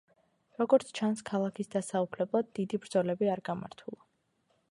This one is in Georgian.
როგორც ჩანს, ქალაქის დასაუფლებლად დიდი ბრძოლები არ გამართულა.